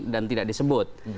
dan tidak disebut